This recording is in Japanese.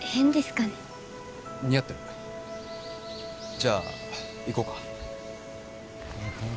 じゃあ行こうか。